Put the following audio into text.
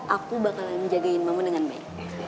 aku bakalan menjagain mama dengan baik